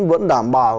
vẫn đảm bảo